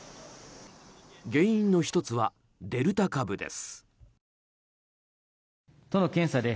原因の１つはデルタ株です。